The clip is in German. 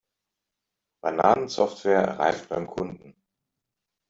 Bananensoftware reift beim Kunden.